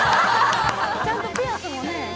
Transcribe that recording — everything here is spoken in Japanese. ちゃんとピアスもして。